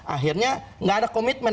akhirnya gak ada komitmen